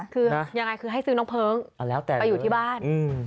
คือยังไงคือให้ซื้อน้องเพลิงไปอยู่ที่บ้าน